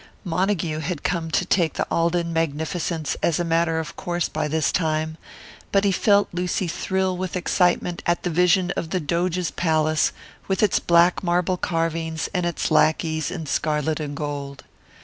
Montague had come to take the Alden magnificence as a matter of course by this time, but he felt Lucy thrill with excitement at the vision of the Doge's palace, with its black marble carvings and its lackeys in scarlet and gold.